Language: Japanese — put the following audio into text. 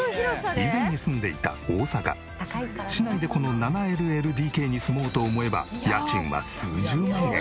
以前に住んでいた大阪市内でこの７ＬＬＤＫに住もうと思えば家賃は数十万円。